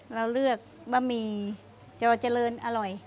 เราเลือกบะหมี่จอเจริญอร่อย